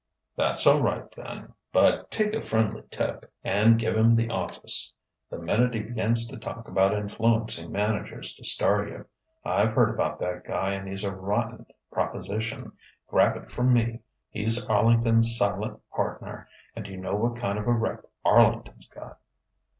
"That's all right then. But take a friendly tip, and give him the office the minute he begins to talk about influencing managers to star you. I've heard about that guy, and he's a rotten proposition grab it from me. He's Arlington's silent partner and you know what kind of a rep. Arlington's got."